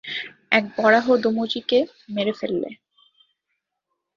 এক বরাহ দমুজিকে মেরে ফেললে।